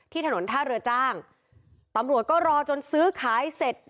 ถนนท่าเรือจ้างตำรวจก็รอจนซื้อขายเสร็จ